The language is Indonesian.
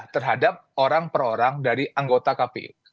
terhadap orang per orang dari anggota kpu